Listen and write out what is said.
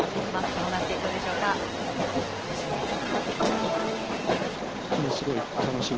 どうなっていくんでしょうか楽しみです。